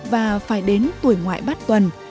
và phải đến tuổi ngoại bắt tuần